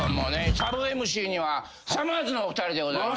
サブＭＣにはさまぁずのお二人でございます。